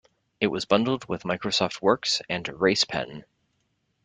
It was bundled with Microsoft Works and RacePen.